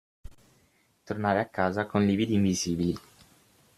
Tornare a casa con lividi invisibili.